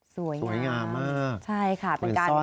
สวยงามใช่เป็นการค้นพบสวยงามมาก